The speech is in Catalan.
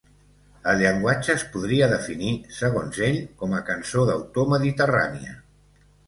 El llenguatge es podria definir, segons ell, com a cançó d’autor mediterrània.